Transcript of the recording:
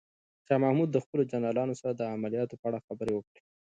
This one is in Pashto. شاه محمود د خپلو جنرالانو سره د عملیاتو په اړه خبرې وکړې.